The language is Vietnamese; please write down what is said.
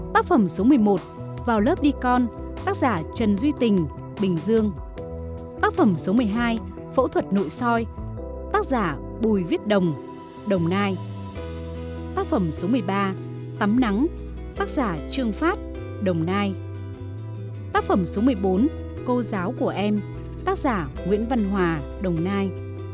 tác phẩm số một mươi một năng cao năng suất lao động tác giả đỗ hiếu liêm đồng nai